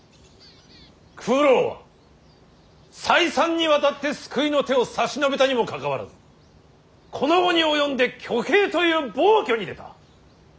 九郎は再三にわたって救いの手を差し伸べたにもかかわらずこの期に及んで挙兵という暴挙に出た。